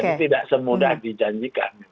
jadi tidak semudah dijanjikan